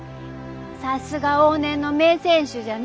さすが往年の名選手じゃね。